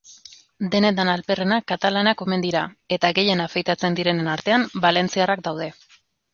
Denetan alperrenak katalanak omen dira eta gehien afeitatzen direnen artean valentziarrak daude.